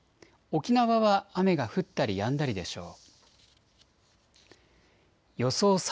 沖縄は雨が降ったりやんだりでしょう。